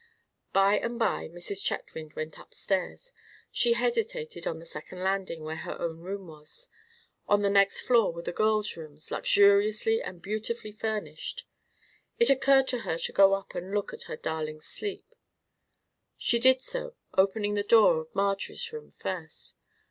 By and by Mrs. Chetwynd went upstairs. She hesitated on the second landing, where her own room was. On the next floor were the girls' rooms, luxuriously and beautifully furnished. It occurred to her to go up and look at her darlings asleep. She did so, opening the door of Marjorie's room first.